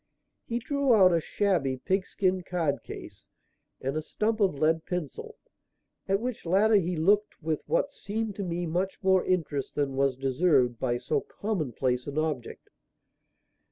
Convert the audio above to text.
He drew out a shabby, pigskin card case and a stump of lead pencil, at which latter he looked with what seemed to me much more interest than was deserved by so commonplace an object.